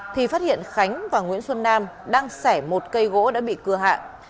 thì phát hiện khánh và nguyễn xuân nam đang sẻ một cây gỗ đã bị cưa hạ